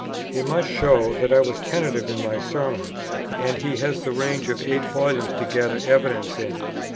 He must show that I was tentative in my Sermons; and he has the range of eight volumes to gather evidence in.